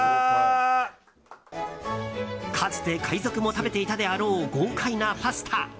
かつて海賊も食べていたであろう豪快なパスタ。